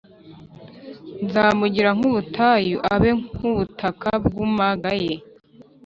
Nzamugira nk’ubutayu, abe nk’ubutaka bwumagaye,